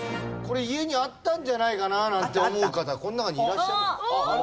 これ家にあったんじゃないかななんて思う方この中にいらっしゃる。あります？